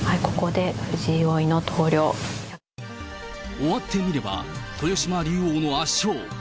終わってみれば、豊島竜王の圧勝。